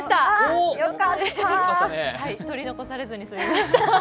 取り残されずにすみました。